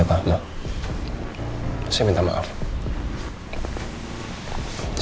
tak mau jadi shameful